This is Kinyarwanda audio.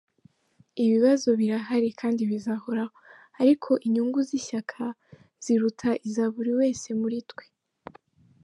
Ibibazo birahari kandi bizahoraho, ariko inyungu z’ishyaka ziruta iza buri wese muri twe.